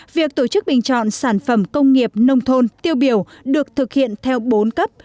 việc tổ chức bình chọn sản phẩm công nghiệp nông thôn tiêu biểu được thực hiện theo bốn cấp